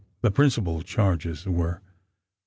The principal charges were: 1.